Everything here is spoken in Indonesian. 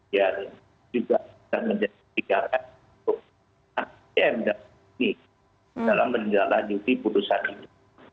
ya ini juga menjadi garan untuk asem dalam menjalankan putusan ini